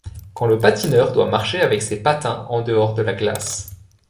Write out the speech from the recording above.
Quand le patineur doit marcher avec ses patins en dehors de la glace.